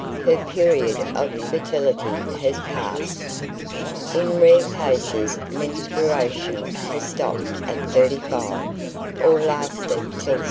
Her period of fertility has passed. In rare cases menstruation has stopped at 35, or lasted till 60.